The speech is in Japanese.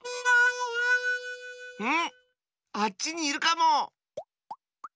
ん⁉あっちにいるかも！